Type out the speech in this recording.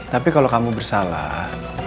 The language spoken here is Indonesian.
tapi kalau kamu bersalah